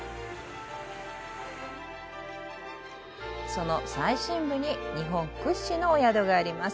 その最深部に日本屈指のお宿があります。